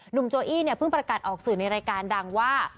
โจอี้เนี่ยเพิ่งประกาศออกสื่อในรายการดังว่า